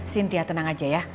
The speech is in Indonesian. sintia tenang aja ya